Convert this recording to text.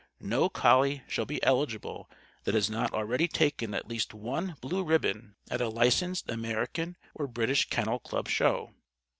No collie shall be eligible that has not already taken at least one blue ribbon at a licensed American or British Kennel Club Show.